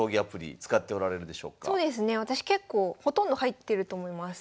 私結構ほとんど入ってると思います。